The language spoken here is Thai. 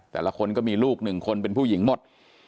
แต่ละคนก็มีลูกหนึ่งคนเป็นผู้หญิงหมด